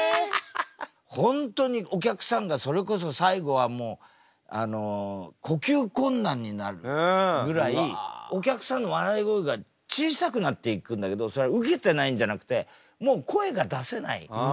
本当にお客さんがそれこそ最後はもう呼吸困難になるぐらいお客さんの笑い声が小さくなっていくんだけどそれはウケてないんじゃなくてもう声が出せない。